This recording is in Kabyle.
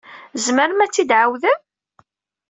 Tzemrem ad t-id-tɛawdem?